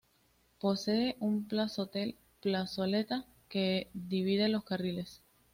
Posee una plazoleta que divide los carriles.